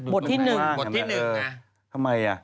บทที่๑นะ